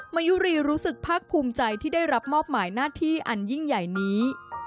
มายุรีรู้สึกภาคภูมิใจที่ได้รับมอบหมายหน้าที่อันยิ่งใหญ่นี้